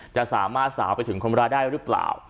จะสามารถสาวไปถึงคนร้ายได้หรือเปล่า